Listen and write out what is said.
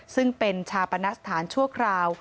ซึ่งเป็นชาปณสถานชั่วคราว